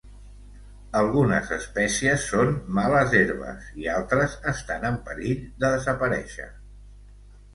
Algunes espècies són males herbes i altres estan en perill de desaparèixer.